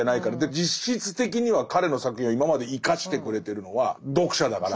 実質的には彼の作品を今まで生かしてくれてるのは読者だから。